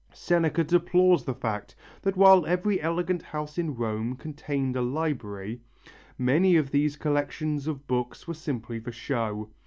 Seneca deplores the fact that while every elegant house in Rome contained a library, many of these collections of books were simply for show.